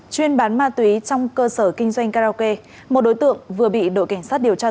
chuyên bán ma túy trong cơ sở kinh doanh karaoke một đối tượng vừa bị đội cảnh sát điều tra